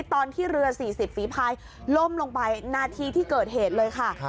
ตอนที่เรือ๔๐ฝีพายล่มลงไปนาทีที่เกิดเหตุเลยค่ะ